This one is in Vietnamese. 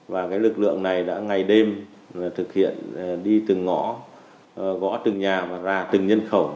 và cái lực lượng này đã ngày đêm thực hiện đi từng ngõ gõ từng nhà và ra từng nhân khẩu